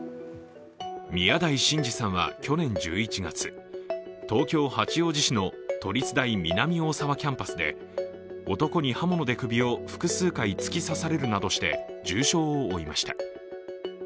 宮台真司さんは去年１１月東京・八王子市の都立大南大沢キャンパスで、男に刃物で首を複数回突き刺されるなどして重傷を負いました。